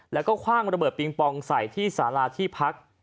แล้วก็คว่างระเบิดปิงปองใส่ที่สาราที่พัก